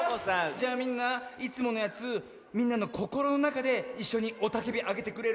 じゃあみんないつものやつみんなのこころのなかでいっしょにおたけびあげてくれる？